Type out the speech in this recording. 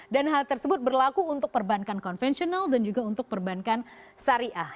dan hal tersebut berlaku untuk perbankan konvensional dan juga untuk perbankan sariah